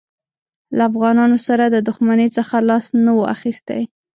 له افغانانو سره د دښمنۍ څخه لاس نه وو اخیستی.